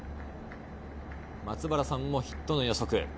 松原さんもヒットの予測。